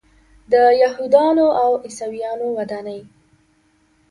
د یهودانو او عیسویانو ودانۍ.